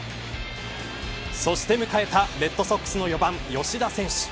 そして迎えたレッドソックスの４番吉田選手